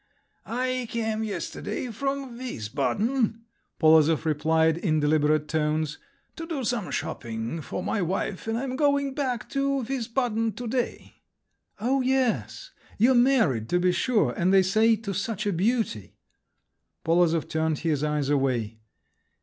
"I came yesterday from Wiesbaden," Polozov replied in deliberate tones, "to do some shopping for my wife, and I'm going back to Wiesbaden to day." "Oh, yes! You're married, to be sure, and they say, to such a beauty!" Polozov turned his eyes away.